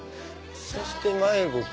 そして迷子か。